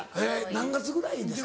何月ぐらいですか？